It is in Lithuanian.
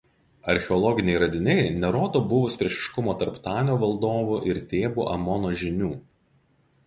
Archeologiniai radiniai nerodo buvus priešiškumo tarp Tanio valdovų ir Tėbų Amono žynių.